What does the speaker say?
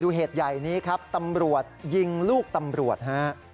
เหตุใหญ่นี้ครับตำรวจยิงลูกตำรวจฮะ